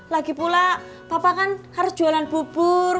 lagi pula papa kan harus jualan bubur